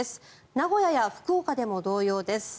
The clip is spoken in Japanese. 名古屋や福岡でも同様です。